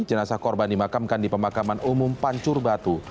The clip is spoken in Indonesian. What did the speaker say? jenazah korban dimakamkan di pemakaman umum pancur batu